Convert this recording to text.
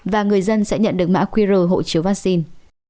và người dân sẽ nhận được mã qr hộ chiếu vaccine